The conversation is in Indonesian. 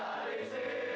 kalau belajar bercanda saja